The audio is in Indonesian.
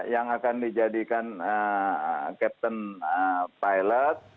yang akan dijadikan captain pilot